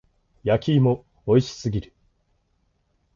焼き芋美味しすぎる。